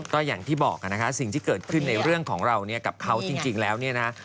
ก็อย่างที่บอกนะคะสิ่งที่เกิดขึ้นในเรื่องของเราเนี่ยกับเขาจริงแล้วเนี่ยนะ